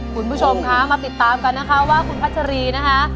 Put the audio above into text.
คุณผู้ชมคะมาติดตามกันนะคะว่าคุณพัชรีนะคะ